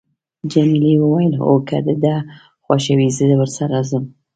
جميلې وويل: هو، که د ده خوښه وي، زه ورسره ځم.